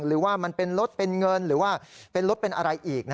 หรือว่ามันเป็นรถเป็นเงินหรือว่าเป็นรถเป็นอะไรอีก